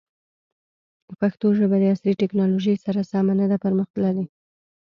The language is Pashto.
پښتو ژبه د عصري تکنالوژۍ سره سمه نه ده پرمختللې.